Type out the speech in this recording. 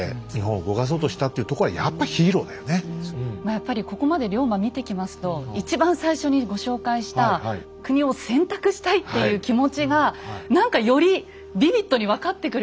やっぱりここまで龍馬見てきますと一番最初にご紹介した「国をせんたくしたい」っていう気持ちが何かよりビビッドに分かってくるような気がしてきました。